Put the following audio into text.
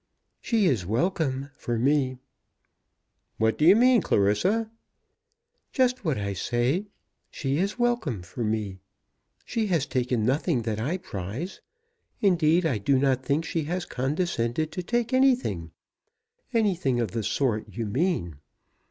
"She is welcome, for me." "What do you mean, Clarissa?" "Just what I say. She is welcome for me. She has taken nothing that I prize. Indeed I do not think she has condescended to take anything, anything of the sort you mean.